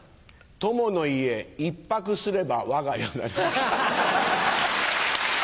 友の家一泊すれば我が家なり。